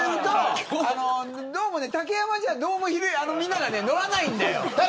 竹山じゃ、どうもみんなが乗らないんだよ。